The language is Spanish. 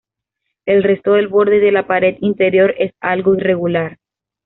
El resto del borde y de la pared interior es algo irregular.